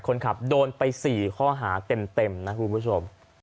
คนขับโดนไปสี่ข้อหาเต็มเต็มนะครับคุณผู้ชม